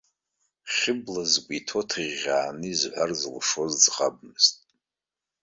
Хьыбла згәы иҭоу ааҭыӷьӷьааны изҳәар зылшоз ӡӷабмызт.